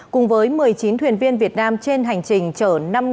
cùng với một mươi chín thuyền viên việt nam trên hành trình chở